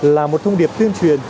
là một thông điệp tuyên truyền